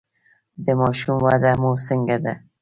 د ماشوم وده مو څنګه ده؟